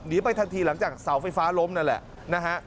ไปทันทีหลังจากเสาไฟฟ้าล้มนั่นแหละนะฮะ